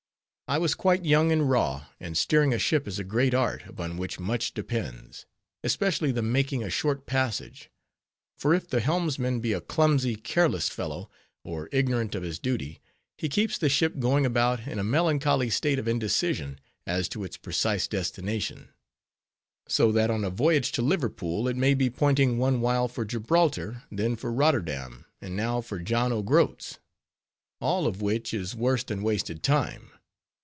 I was quite young and raw, and steering a ship is a great art, upon which much depends; especially the making a short passage; for if the helmsman be a clumsy, careless fellow, or ignorant of his duty, he keeps the ship going about in a melancholy state of indecision as to its precise destination; so that on a voyage to Liverpool, it may be pointing one while for Gibraltar, then for Rotterdam, and now for John o' Groat's; all of which is worse than wasted time.